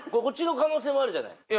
こっちの可能性もあるじゃない。